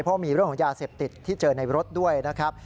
เพราะมีเรื่องของยาเสพติดที่เจอในรถด้วยนะครับ